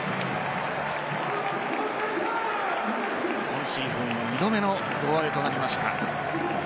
今シーズンの２度目の胴上げとなりました。